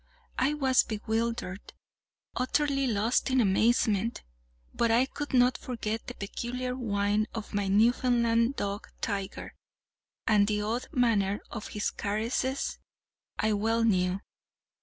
I was bewildered, utterly lost in amazement—but I could not forget the peculiar whine of my Newfoundland dog Tiger, and the odd manner of his caresses I well knew.